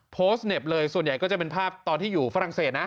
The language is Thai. เน็บเลยส่วนใหญ่ก็จะเป็นภาพตอนที่อยู่ฝรั่งเศสนะ